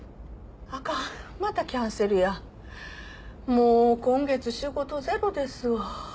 もう今月仕事ゼロですわ。